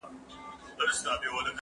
که وخت وي، بوټونه پاکوم؟